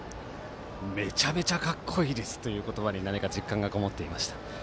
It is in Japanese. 「めちゃくちゃかっこいいです」という言葉に実感がこもっていました。